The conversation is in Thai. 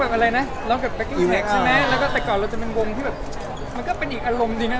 แบบอยู่ข้างในความถูกใจช่างทางวงที่แบบมันก็เป็นอารมณ์ดีมั๊ย